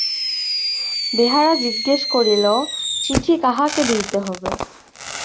বেহারা জিজ্ঞাসা করিল, চিঠি কাহাকে দিতে হইবে।